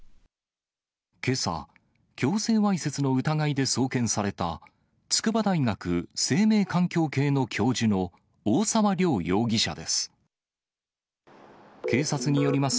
けさ、強制わいせつの疑いで送検された、筑波大学・生命環境系の教授の大沢良容疑者です。